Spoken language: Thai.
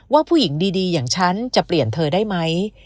ว่าผู้หญิงดีอย่างฉันจะเปลี่ยนเธอได้ไหม